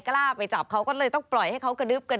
กล้าไปจับเขาก็เลยต้องปล่อยให้เขากระดึบกัน